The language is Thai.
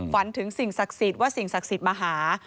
ฝันถึงสิ่งศักดิ์สิทธิ์ว่าสิ่งศักดิ์สิทธิ์มาหา